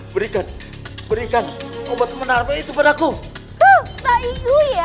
berikan berikan obat benar itu padaku